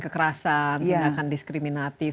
kekerasan tindakan diskriminatif